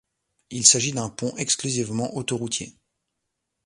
Il s'agit d'un pont exclusivement autoroutier.